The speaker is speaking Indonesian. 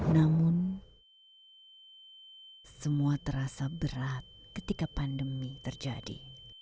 namun semua terasa berat ketika pandemi terjadi